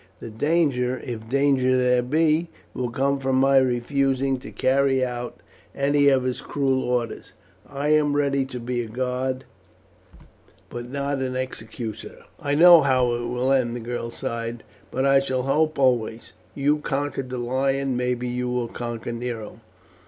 The danger, if danger there be, will come from my refusing to carry out any of his cruel orders. I am ready to be a guard, but not an executioner." "I know how it will end," the girl sighed; "but I shall hope always. You conquered the lion, maybe you will conquer Nero."